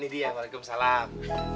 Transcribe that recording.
ini dia waalaikumsalam